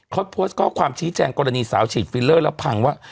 เขาโพสต์ข้อความชี้แจงกรณีสาวฉีดฟิลเลอร์แล้วพังว่า